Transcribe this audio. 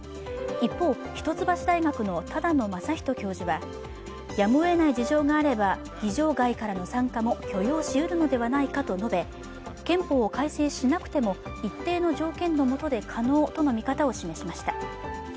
一方、一橋大学の只野雅人教授はやむをえない事情があれば議場外からの参加も許容しうるのではないかと述べ憲法改正しなくても一定の条件のもとで可能との見方を示しました。